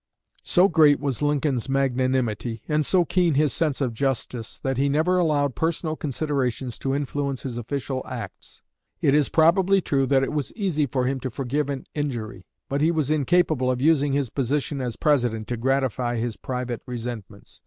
So great was Lincoln's magnanimity, and so keen his sense of justice, that he never allowed personal considerations to influence his official acts. It is probably true that it was easy for him to forgive an injury; but he was incapable of using his position as President to gratify his private resentments.